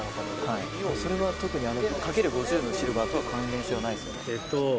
はいそれは特に×５０のシルバーとは関連性はないっすよね？